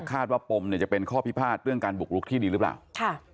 ปมเนี่ยจะเป็นข้อพิพาทเรื่องการบุกลุกที่ดีหรือเปล่าค่ะ